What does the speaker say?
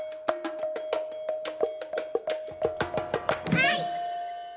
はい！